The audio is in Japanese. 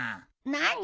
何？